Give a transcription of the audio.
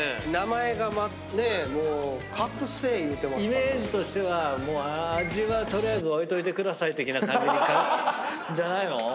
イメージとしてはもう味は取りあえず置いといてください的な感じにじゃないの？